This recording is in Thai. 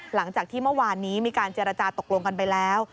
หลังจากที่เมื่อวานนี้มีการเจรจาตกลงกันไปแล้ว